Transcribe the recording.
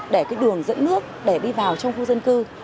để cái đường dẫn nước để đi vào trong khu dân cư